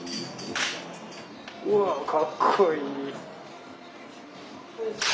うわぁかっこいい。